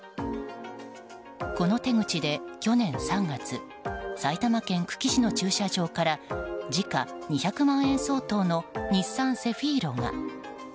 この手口で、去年３月埼玉県久喜市の駐車場から時価２００万円相当の日産セフィーロが。